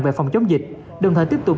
về phòng chống dịch đồng thời tiếp tục